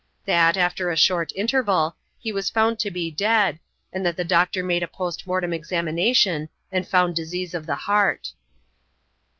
That, after a short interval, he was found to be dead, and that the doctor made a post mortem examination and found disease of the heart."